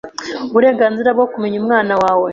uburenganzira bwo kumenya umwana wawe